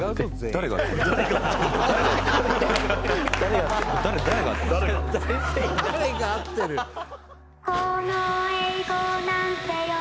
「誰が合ってます？」